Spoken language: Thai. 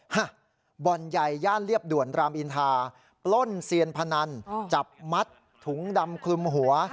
ฮะบ่อนใหญ่ย่านเรียบด่วนรามอินทาปล้นเซียนพนันจับมัดถุงดำคลุมหัว